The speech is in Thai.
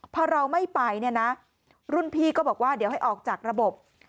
พอเราไม่ไปเนี่ยนะรุ่นพี่ก็บอกว่าเดี๋ยวให้ออกจากระบบ